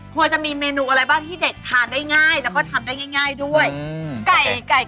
ควรจะมีเมนูอะไรบ้างที่เด็กทานได้ง่ายแล้วก็ทำได้ง่ายด้วย